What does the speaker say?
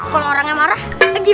kalau orangnya marah gimana